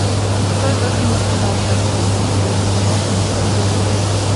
Той толькі мармытаў праз сон, уткнуўшыся носам у салому.